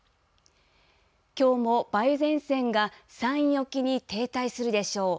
きょうも梅雨前線が山陰沖に停滞するでしょう。